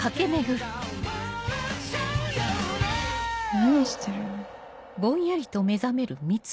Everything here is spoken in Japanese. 何してるの？